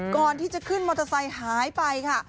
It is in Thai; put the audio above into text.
ก่อนที่จะขึ้นมอเตอร์ไซค์หายไปค่ะ